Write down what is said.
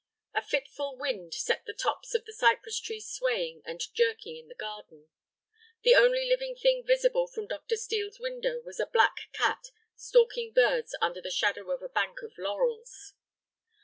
A fitful wind set the tops of the cypress trees swaying and jerking in the garden. The only living thing visible from Dr. Steel's window was a black cat stalking birds under the shadow of a bank of laurels.